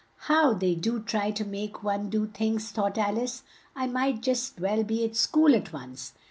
"How they do try to make one do things!" thought Al ice. "I might just as well be at school at once."